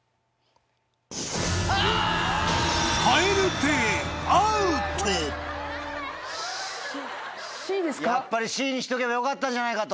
蛙亭アウト「やっぱりＣにしとけばよかったじゃないか」と。